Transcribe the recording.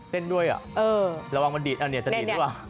เด้นด้วยอ่ะระวังว่ามันดีดอันนี้จะดีดด้วย